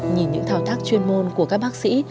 nhìn những thao tác chuyên môn của các bác sĩ